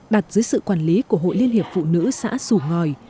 đặt dưới sự quản lý của hội liên hiệp phụ nữ xã sủ ngòi